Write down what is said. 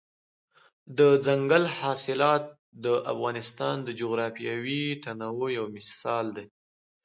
دځنګل حاصلات د افغانستان د جغرافیوي تنوع یو مثال دی.